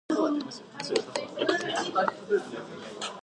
The family returned to the United Kingdom.